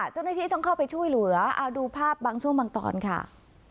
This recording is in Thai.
เจ้าหน้าที่ต้องเข้าไปช่วยเหลือเอาดูภาพบางช่วงบางตอนค่ะ